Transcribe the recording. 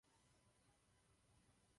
Chtěl bych učinit pět poznámek.